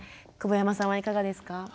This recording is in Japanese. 久保山さんはいかがですか？